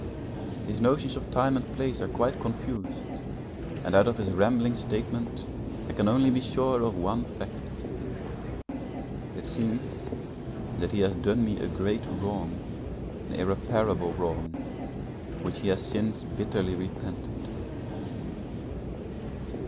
His notions of time and place are quite confused, and out of his rambling statement I can only be sure of one fact. It seems that he has done me a great wrong, an irreparable wrong, which he has since bitterly repented.